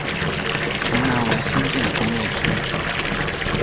城南为新建的工业区。